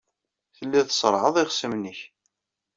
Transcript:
Tellid tṣerrɛed ixṣimen-nnek.